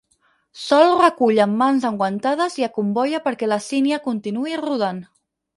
Sol recull amb mans enguantades i acomboia perquè la sínia continuï rodant.